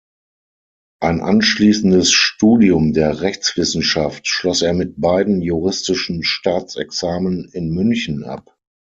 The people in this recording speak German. Ein anschließendes Studium der Rechtswissenschaft schloss er mit beiden juristischen Staatsexamen in München ab.